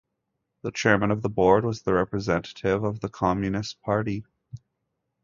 The chairman of the board was the representative of the Communist Party.